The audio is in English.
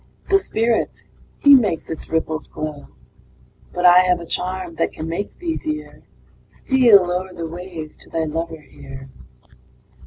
The Spirit he makes its ripples glow But I have a charm that can make thee, dear, Steal o'er the wave to thy lover here.